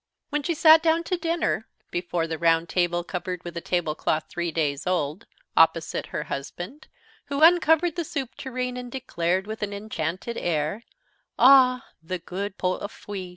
When she sat down to dinner, before the round table covered with a tablecloth three days old, opposite her husband, who uncovered the soup tureen and declared with an enchanted air, "Ah, the good pot au feu!